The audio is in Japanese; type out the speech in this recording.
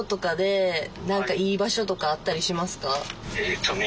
えっとね